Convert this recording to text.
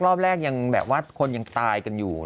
รอบแรกยังแบบว่าคนยังตายกันอยู่